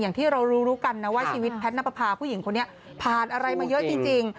อย่างที่เรารู้กันนะว่าชีวิตแพทย์นับประพาผู้หญิงคนนี้ผ่านอะไรมาเยอะจริง